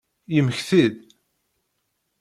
Yemmekti-d.